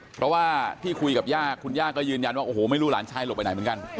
เพราะว่าที่คุยกับย่าคุณย่าก็ยืนยันว่าโอ้โหไม่รู้หลานชายหลบไปไหนเหมือนกัน